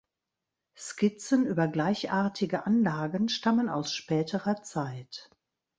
Skizzen über gleichartige Anlagen stammen aus späterer Zeit.